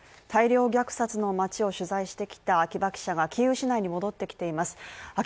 大量虐殺の町を取材してきた秋場記者がキーウ市内に戻ってきています。